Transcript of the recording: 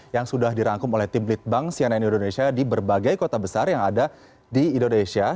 yang sudah dirangkum oleh tim litbang cnn indonesia di berbagai kota besar yang ada di indonesia